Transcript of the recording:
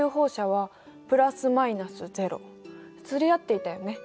釣り合っていたよね。